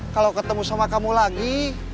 kalau ketemu sama kamu lagi